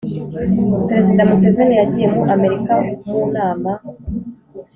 perezida museveni yagiye mu amerika mu nama